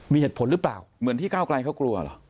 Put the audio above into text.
มีเหตุผลหรือเปล่าเหมือนที่ก้าวไกลเขากลัวเหรอ